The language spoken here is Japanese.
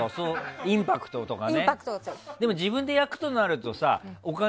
インパクトとかね。